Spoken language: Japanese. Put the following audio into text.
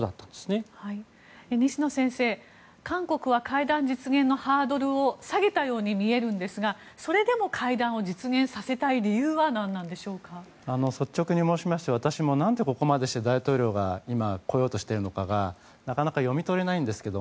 西野先生、韓国は会談実現のハードルを下げたように見えるんですがそれでも会談を実現させたい理由は率直に申し上げて私も何でここまでして大統領が今、来ようとしているのかがなかなか読み取れないんですが。